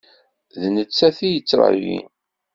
D nettat i yettṛayin.